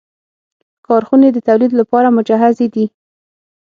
کارخونې د تولید لپاره مجهزې دي.